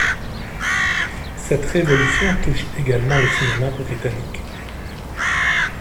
Cette révolution touche également le cinéma britannique.